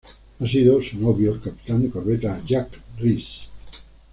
Ha sido su novio, el capitán de corbeta Jack Reese.